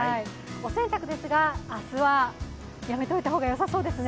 お洗濯ですが、明日はやめておいた方が良さそうですね。